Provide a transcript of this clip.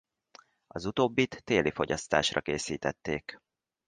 Az utóbbit téli fogyasztásra készítették.